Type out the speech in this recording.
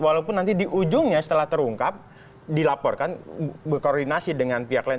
walaupun nanti di ujungnya setelah terungkap dilaporkan berkoordinasi dengan pihak lain